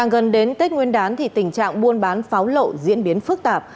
trên tết nguyên đán tình trạng buôn bán pháo lộ diễn biến phức tạp